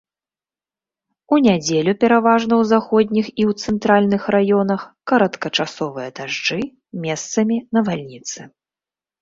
У нядзелю пераважна ў заходніх і ў цэнтральных раёнах кароткачасовыя дажджы, месцамі навальніцы.